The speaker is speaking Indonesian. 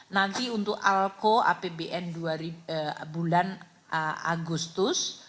nanti untuk alko apbn bulan agustus